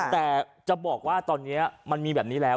แต่จะบอกว่าตอนนี้มันมีแบบนี้แล้ว